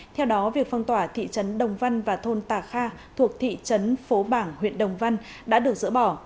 theo đó việc phong tỏa thị trấn đồng văn và thôn tà kha thuộc thị trấn phố bảng huyện đồng văn đã được dỡ bỏ